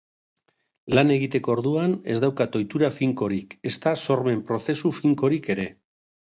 Lan egiteko orduan ez daukat ohitura finkorik, ezta sormen prozesu finkorik ere.